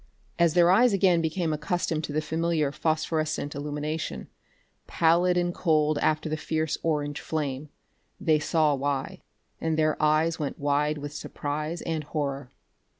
As their eyes again became accustomed to the familiar phosphorescent illumination, pallid and cold after the fierce orange flame, they saw why and their eyes went wide with surprise and horror.